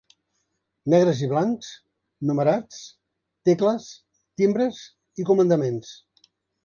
Negres i blancs, numerats, tecles, timbres i comandaments.